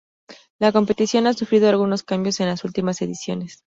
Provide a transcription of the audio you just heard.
La competición ha sufrido algunos cambios en las últimas ediciones.